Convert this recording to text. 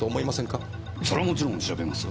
そりゃもちろん調べますよ。